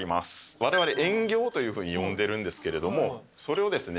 われわれ円形というふうに呼んでるんですけれどもそれをですね